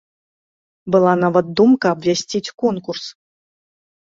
Была нават думка абвясціць конкурс.